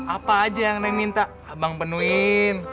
apa aja yang minta abang penuhin